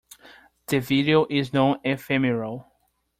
The video is non-ephemeral.